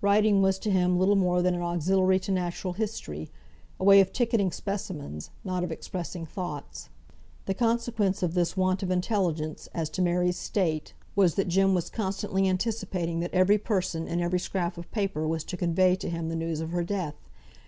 Writing was to him little more than an auxiliary to natural history; a way of ticketing specimens, not of expressing thoughts. The consequence of this want of intelligence as to Mary's state was, that Jem was constantly anticipating that every person and every scrap of paper was to convey to him the news of her death.